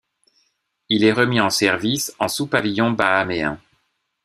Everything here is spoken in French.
Il est remis en service en sous pavillon bahaméen.